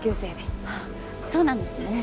あっそうなんですね。